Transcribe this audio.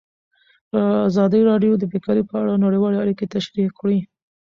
ازادي راډیو د بیکاري په اړه نړیوالې اړیکې تشریح کړي.